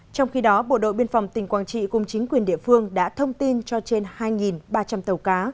trong khi đó bộ đội biên phòng tỉnh quảng trị cùng chính quyền địa phương đã thông tin cho trên hai ba trăm linh tàu cá